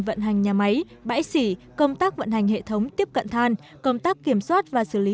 vận hành nhà máy xỉ công tác vận hành hệ thống tiếp cận than công tác kiểm soát và xử lý